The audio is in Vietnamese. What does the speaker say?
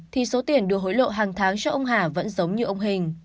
thì số tiền đưa hối lộ hàng tháng cho ông hà vẫn giống như ông hình